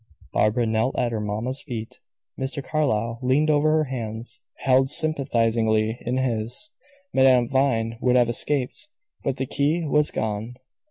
Barbara knelt at her mamma's feet; Mr. Carlyle leaned over her, her hands held sympathizingly in his. Madame Vine would have escaped, but the key was gone.